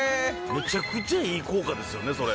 むちゃくちゃいい効果ですよね、それ。